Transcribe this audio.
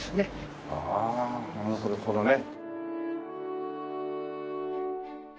ああなるほどね。